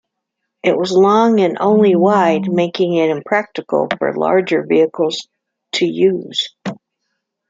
It was long and only wide, making it impractical for larger vehicles to use.